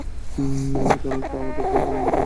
এটা অনেকটা, আমাদের দুজনের মধ্যে অনেক মিল ছিল।